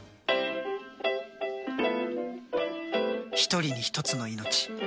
１人に１つの命。